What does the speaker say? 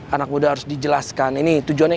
anak muda harus dijelaskan ini tujuannya